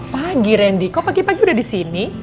pagi randy kok pagi pagi udah di sini